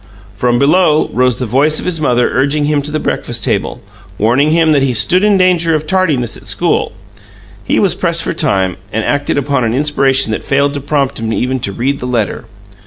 From below rose the voice of his mother urging him to the breakfast table, warning him that he stood in danger of tardiness at school; he was pressed for time, and acted upon an inspiration that failed to prompt him even to read the letter.